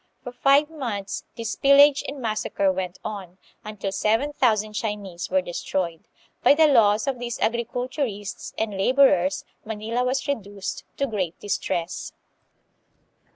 For Qye months this pillage and massacre went on, until seven thousand Chinese were destroyed. By the loss of these agriculturists and laborers Manila was reduced to great distress.